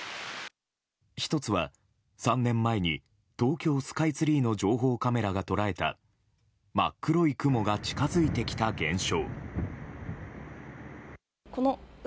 １つは、３年前に東京スカイツリーの情報カメラが捉えた真っ黒い雲が近づいてきた現象。